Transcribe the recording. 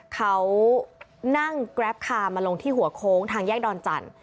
เขานั่งแกรปคาร์มาลงที่หัวโค้งทางแยกดอนจันทร์